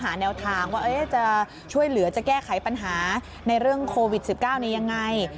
แนวทางว่าจะช่วยเหลือจะแก้ไขปัญหาในเรื่องโควิด๑๙นี้ยังไง